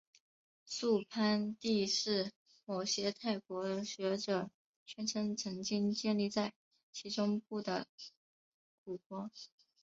素攀地是某些泰国学者宣称曾经建立在其中部的古国。